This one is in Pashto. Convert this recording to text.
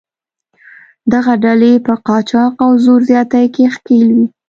دغه ډلې په قاچاق او زور زیاتي کې ښکېل وې.